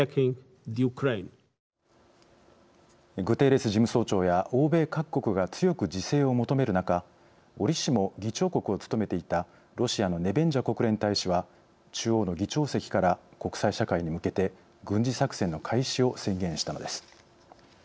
グテーレス事務総長や欧米各国が強く自制を求める中折しも議長国を務めていたロシアのネベンジャ国連大使は中央の議長席から国際社会に向けて軍事作戦の開始を宣言したのです。